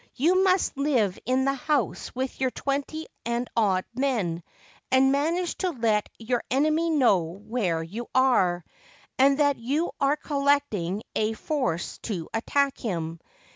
You must live in the house with your twenty and odd men, and manage to let your enemy know where you are, and that you are collecting a force to attack him.